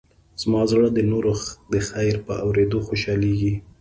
زما زړه د نورو د خیر په اورېدو خوشحالېږي.